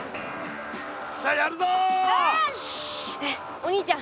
お兄ちゃん